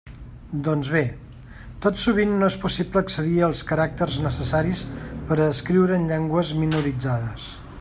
Doncs bé, tot sovint no és possible accedir als caràcters necessaris per a escriure en llengües minoritzades.